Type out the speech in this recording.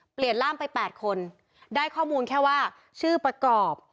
ร่ามไป๘คนได้ข้อมูลแค่ว่าชื่อประกอบ